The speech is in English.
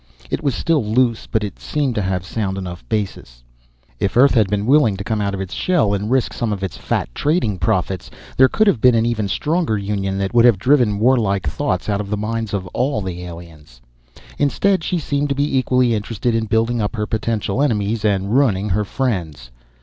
It was still loose, but it seemed to have sound enough a basis. If Earth had been willing to come out of its shell and risk some of its fat trading profits, there could have been an even stronger union that would have driven war like thoughts out of the minds of all the aliens. Instead, she seemed to be equally interested in building up her potential enemies and ruining her friends.